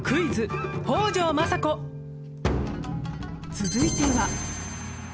続いては。